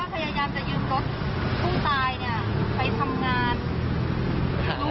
เขาบอกว่าพยายามจะหยุดรถผู้ตายเนี่ยไปทำงาน